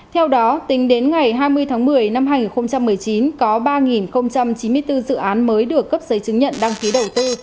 theo đó tính đến ngày hai mươi tháng một mươi năm hai nghìn một mươi chín có ba chín mươi bốn dự án mới được cấp giấy chứng nhận đăng ký đầu tư